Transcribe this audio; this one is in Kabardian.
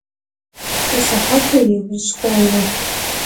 Si sıhetır yauj khone.